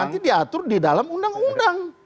nanti diatur di dalam undang undang